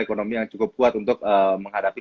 ekonomi yang cukup kuat untuk menghadapi